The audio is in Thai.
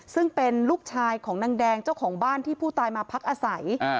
ซึ่งเป็นลูกชายของนางแดงเจ้าของบ้านที่ผู้ตายมาพักอาศัย